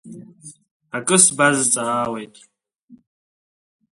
Акы сбазҵаауеит…